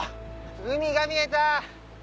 海が見えた！